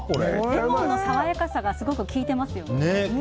レモンの爽やかさがすごく効いてますよね。